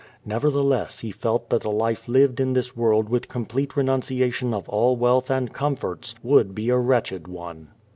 Nevertheless, he felt that a life lived in this world with complete renunciation of all wealth and comforts would be a wretched one.